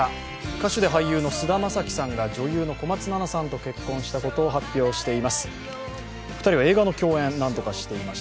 歌手で俳優の菅田将暉さんが女優の小松菜奈さんと結婚したことを発表しています。